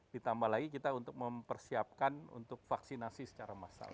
ditambah lagi kita untuk mempersiapkan untuk vaksinasi secara massal